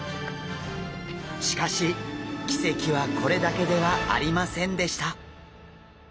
しかし奇跡はこれだけではありませんでした。